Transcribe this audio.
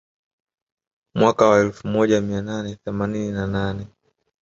Mwaka wa elfu moja mia nane themanini na nane